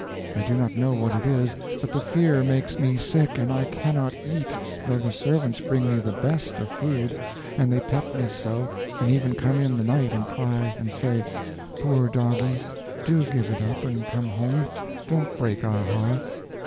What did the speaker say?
I do not know what it is, but the fear makes me sick, and I cannot eat, though the servants bring me the best of food; and they pet me so, and even come in the night, and cry, and say, "Poor doggie do give it up and come home; don't break our hearts!"